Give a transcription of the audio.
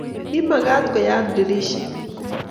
Kimagat koyat dirishet